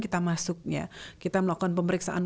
kita masuknya kita melakukan pemeriksaan